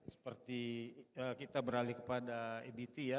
seperti kita beralih kepada ebt ya